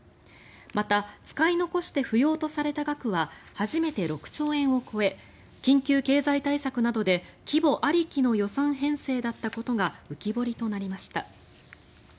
また、使い残して不用とされた額は初めて６兆円を超え緊急経済対策などで規模ありきの予算編成だったことが浮き彫りとなりました。